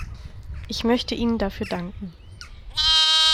Ich möchte Ihnen dafür danken.